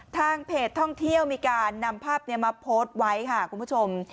ทางเพจท่องเที่ยวมีการนำภาพนี้มาโพสต์ไว้ค่ะคุณผู้ชม